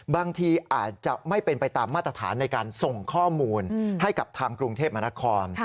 บางทีอาจจะไม่เป็นไปตามมาตรฐานในการส่งข้อมูลให้กับทางกรุงเทพมนาคม